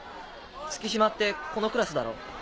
月島ってこのクラスだろ？